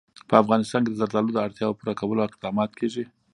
په افغانستان کې د زردالو د اړتیاوو پوره کولو اقدامات کېږي.